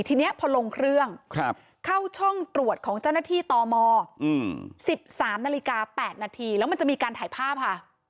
ทีนี้พอลงเครื่องเข้าช่องตรวจของเจ้าหน้าที่ตม๑๓นาฬิกา๘นาทีแล้วมันจะมีการถ่ายภาพค่ะ